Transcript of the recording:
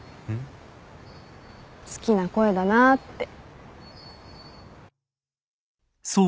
好きな声だなあって。